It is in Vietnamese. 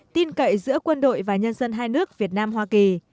tin cậy giữa quân đội và nhân dân hai nước việt nam hoa kỳ